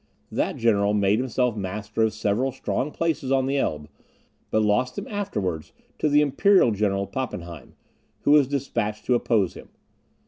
That general made himself master of several strong places on the Elbe, but lost them afterwards to the Imperial General Pappenheim, who was despatched to oppose him.